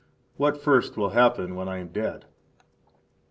what first will happen when I am dead?